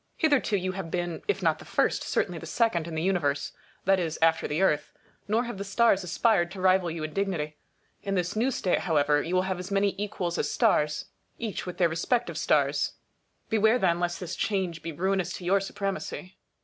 Hitherto you have been, if not the first, certainly the second in the Universe ; that is, after the Earth ; nor have the stars aspired to rival you in dignity. In this new state, however, you will have as many equals as stars, each with their respective stars. Beware then lest this change be ruinous to your supremacy.